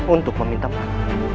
untuk meminta maaf